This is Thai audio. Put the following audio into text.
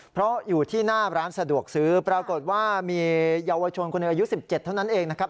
เพราะอยู่ที่หน้าร้านสะดวกซื้อปรากฏว่ามีเยาวชนคนหนึ่งอายุ๑๗เท่านั้นเองนะครับ